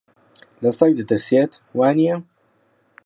لە سەگ دەترسێت، وانییە؟